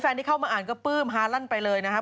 แฟนที่เข้ามาอ่านก็ปลื้มฮารั่นไปเลยนะ